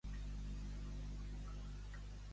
En què es va centrar Ester-Sala?